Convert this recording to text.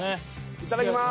いただきます